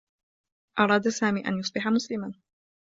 أراد سامي أن يصبح مسلما.